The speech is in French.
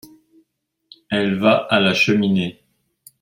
Elle va à la cheminée.